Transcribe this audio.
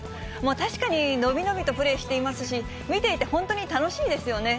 確かに伸び伸びとプレーしていますし、見ていて本当に楽しいですよね。